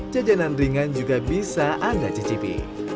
jajanan ringan juga bisa anda cicipi